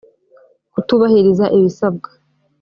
kutubahiriza ibisabwa